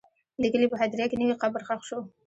د کلي په هدیره کې نوی قبر ښخ شو.